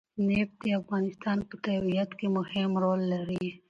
نفت د افغانستان په طبیعت کې مهم رول لري.